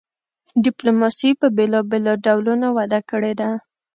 ډیپلوماسي په بیلابیلو ډولونو وده کړې ده